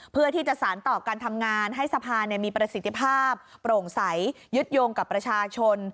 เพื่อที่จะสารต่อการทำงานให้สภามีประสิทธิภาพโปร่งใสยึดโยงกับประชาชน